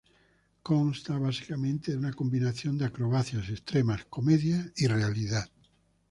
Consta básicamente de una combinación de acrobacias extremas, comedia y realidad.